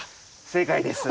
正解です。